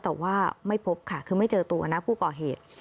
แต่ว่าไม่พบค่ะคือไม่เจอตัวนะผู้ก่อเหตุ